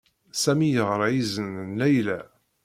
Sami yeɣṛa izen n Layla.